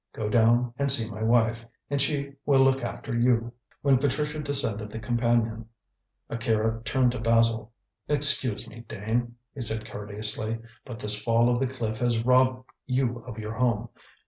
Go down and see my wife, and she will look after you." When Patricia descended the companion, Akira turned to Basil. "Excuse me, Dane," he said courteously, "but this fall of the cliff has robbed you of your home.